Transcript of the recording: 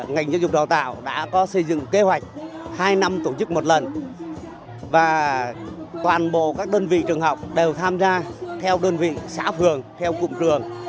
ngành giáo dục đào tạo đã có xây dựng kế hoạch hai năm tổ chức một lần và toàn bộ các đơn vị trường học đều tham gia theo đơn vị xã phường theo cụm trường